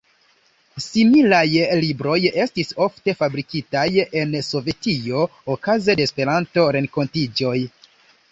Similaj libroj estis ofte fabrikitaj en Sovetio okaze de Esperanto-renkontiĝoj.